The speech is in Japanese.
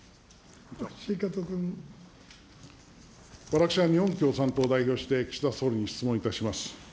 私は日本共産党を代表して、岸田総理に質問いたします。